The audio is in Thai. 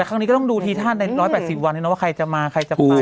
แต่ครั้งนี้ก็ต้องดูทีท่านในร้อยแปดสิบวันนึงนะว่าใครจะมาใครจะไป